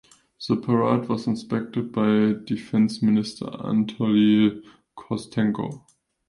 The parade was inspected by Defence Minister Anatoly Kostenko.